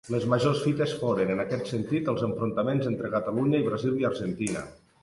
Les majors fites foren, en aquest sentit, els enfrontaments entre Catalunya i Brasil i Argentina.